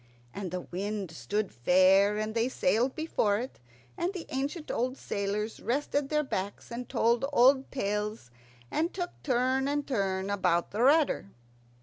And the wind stood fair, and they sailed before it, and the ancient old sailors rested their backs, and told old tales, and took turn and turn about at the rudder.